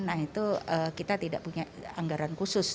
nah itu kita tidak punya anggaran khusus